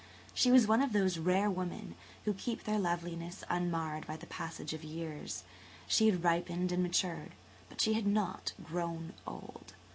She was one of those rare women who keep their loveliness unmarred by the passage of years. She had ripened and matured but she had not grown old.